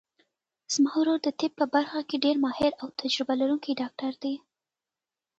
زما ورور د طب په برخه کې ډېر ماهر او تجربه لرونکی ډاکټر ده